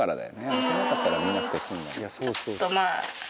開けなかったら見なくて済んだ」